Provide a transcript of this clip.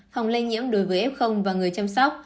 phòng lây nhiễm đối với ép không và người chăm sóc